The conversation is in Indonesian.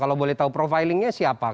kalau boleh tahu profilingnya siapa